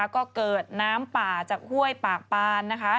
ก็เกิดน้ำป่าจากห้วยปากปานนะคะ